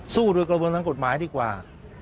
สู้โดยกระบวนทางกฎหมายดีกว่า